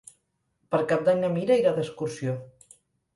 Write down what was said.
Per Cap d'Any na Mira irà d'excursió.